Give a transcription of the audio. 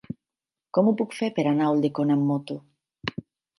Com ho puc fer per anar a Ulldecona amb moto?